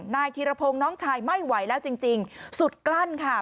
นายธีรพงศ์น้องชายไม่ไหวแล้วจริงสุดกลั้นค่ะ